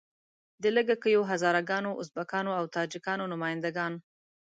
د لږه کیو هزاره ګانو، ازبکانو او تاجیکانو نماینده ګان.